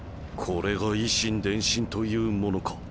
これが以心伝心というものか。